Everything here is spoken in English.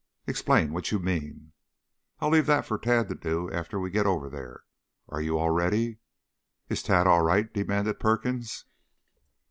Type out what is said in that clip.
"Explain what you mean!" "I'll leave that for Tad to do after we get over there. Are you all ready?" "Is Tad all right?" demanded Perkins.